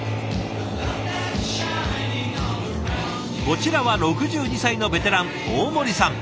こちらは６２歳のベテラン大森さん。